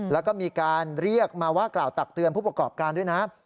แล้วก็มีการเรียกมาว่ากล่าวตักเตือนผู้ประกอบการด้วยนะ